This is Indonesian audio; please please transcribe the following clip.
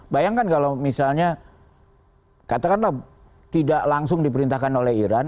bayangkan kalau misalnya katakanlah tidak langsung diperintahkan oleh iran